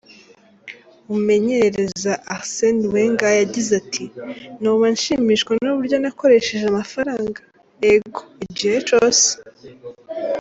Umumenyereza Arsene Wenger yagize ati: "Noba nshimishwa n'uburyo nakoresheje amafaranga? Ego, igihe cose.